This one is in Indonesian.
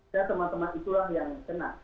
saya teman teman itulah yang kena